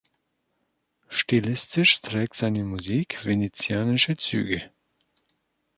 Stilistisch trägt seine Musik venezianische Züge.